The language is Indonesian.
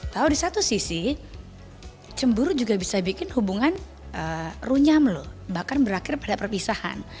tahu di satu sisi cemburu juga bisa bikin hubungan runyam loh bahkan berakhir pada perpisahan